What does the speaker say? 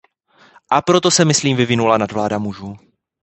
A proto se myslím vyvinula nadvláda mužů.